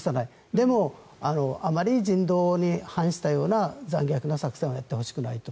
でも、あまり人道に反したような残虐な作戦はやってほしくないと。